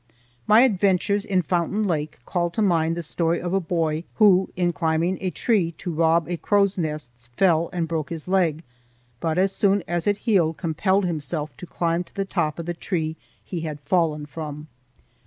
My adventures in Fountain Lake call to mind the story of a boy who in climbing a tree to rob a crow's nest fell and broke his leg, but as soon as it healed compelled himself to climb to the top of the tree he had fallen from.